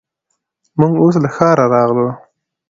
موږ اوس له ښاره راغلو.